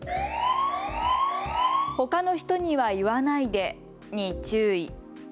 ほかの人には言わないでに注意。